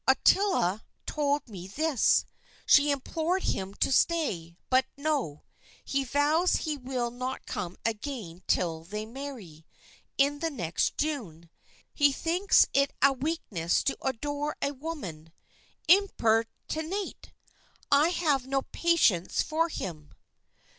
Ottila told me this. She implored him to stay; but no, he vows he will not come again till they marry, in the next June. He thinks it a weakness to adore a woman. Impertinente! I have no patience for him."